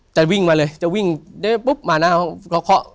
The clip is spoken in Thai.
จะวิ่งมาเลยจะวิ่งปุ๊บมานะ